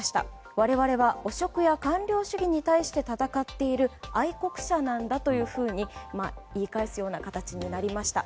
我々は汚職や官僚主義に対して戦っている愛国者なんだというふうに言い返すような形になりました。